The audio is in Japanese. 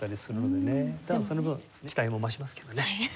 でもその分期待も増しますけどね。